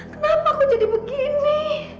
kenapa aku jadi begini